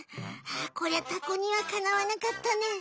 こりゃタコにはかなわなかったね。